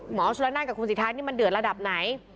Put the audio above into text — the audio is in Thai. ชนละนานกับคุณสิทธานี่มันเดือดระดับไหน